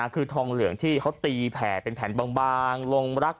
คือทองเหลืองที่เขาตีแผ่เป็นแผ่นบางลงรัก